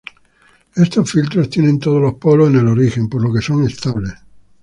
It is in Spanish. Estos filtros tienen todos los polos en el origen, por lo que son estables.